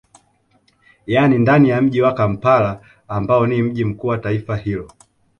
Yani ndani ya mji wa Kampala ambao ni mji mkuu wa taifa hilo